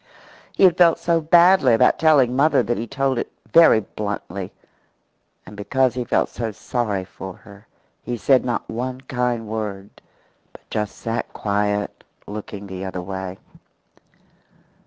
He had felt so badly about telling mother that he told it very bluntly. And because he felt so sorry for her he said not one kind word, but just sat quiet, looking the other way.